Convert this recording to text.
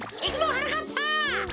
はなかっぱ！